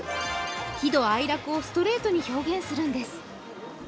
喜怒哀楽をストレートに表現するんです。